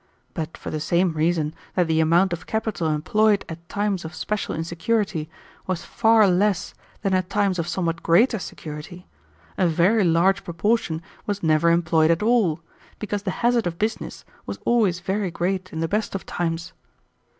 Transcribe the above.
But for the same reason that the amount of capital employed at times of special insecurity was far less than at times of somewhat greater security, a very large proportion was never employed at all, because the hazard of business was always very great in the best of times.